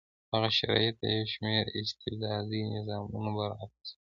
دغه شرایط د یو شمېر استبدادي نظامونو برعکس و.